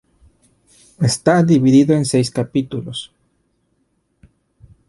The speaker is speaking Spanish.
Está dividido en seis capítulos.